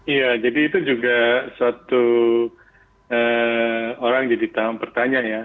iya jadi itu juga suatu orang jadi bertanya ya